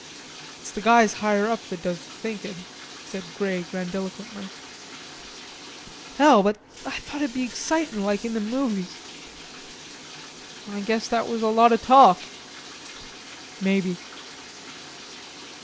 "It's the guys higher up that does the thinkin'," said Grey grandiloquently. "Hell, but I thought it'd be excitin' like in the movies." "I guess that was a lot o' talk." "Maybe."